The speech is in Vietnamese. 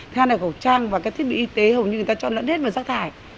thêm là khẩu trang và thiết bị y tế hầu như người ta cho lẫn hết vào rác thải